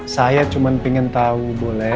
saya cuma pengen tahu boleh